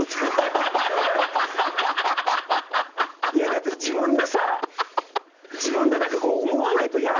だって自分でさ自分で思わないとやらないよね。